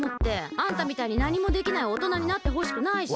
あんたみたいになにもできないおとなになってほしくないし。